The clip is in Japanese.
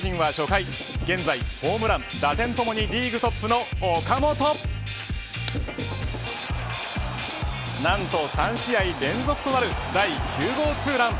首位巨人は初回現在、ホームラン、打点ともにリーグトップの岡本なんと３試合連続となる第９号ツーラン。